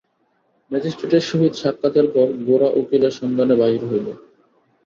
ম্যাজিস্ট্রেটের সহিত সাক্ষাতের পর গোরা উকিলের সন্ধানে বাহির হইল।